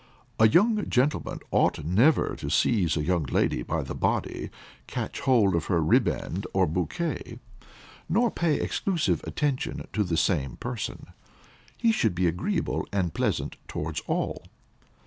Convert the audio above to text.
A young gentleman ought never to seize a young lady by the body, catch hold of her ribband or bouquet, nor pay exclusive attention to the same person. He should be agreeable and pleasant towards all.